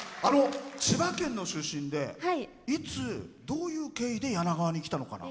千葉県の出身でいつ、どういう経緯で柳川に来たのかな？